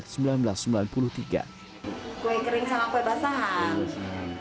kue kering sama kue basah